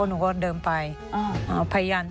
สวัสดีครับ